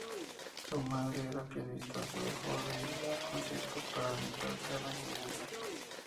Su madre era pianista, pero dejó de dar conciertos para dedicarse a la enseñanza.